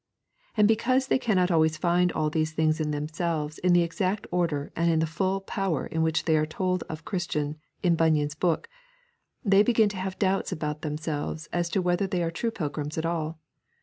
And because they cannot always find all these things in themselves in the exact order and in the full power in which they are told of Christian in Bunyan's book, they begin to have doubts about themselves as to whether they are true pilgrims at all.